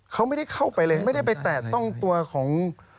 เขาไม่ได้เข้าไปเลยไม่ได้ไปแตะต้องตัวของ